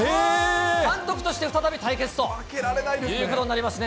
監督として再び対決ということになりますね。